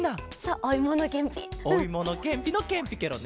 おいものけんぴの「けんぴ」ケロね。